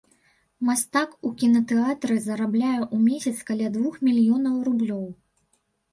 Мастак у кінатэатры зарабляе ў месяц каля двух мільёнаў рублёў.